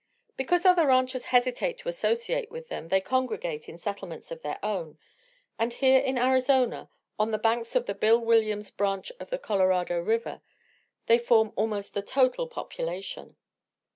Because other ranchers hesitate to associate with them they congregate in settlements of their own, and here in Arizona, on the banks of the Bill Williams Branch of the Colorado River, they form almost the total population.